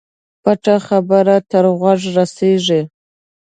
پټه خبره تر غوږه رسېږي.